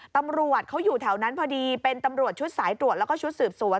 ตำรวจเขาอยู่แถวนั้นพอดีเป็นตำรวจชุดสายตรวจแล้วก็ชุดสืบสวน